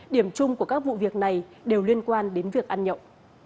điểm chung của các vụ việc này đều liên quan đến việc ăn nhậu